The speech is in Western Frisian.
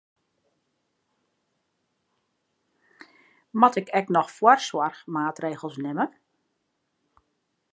Moat ik ek noch foarsoarchmaatregels nimme?